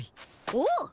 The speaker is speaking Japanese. おう！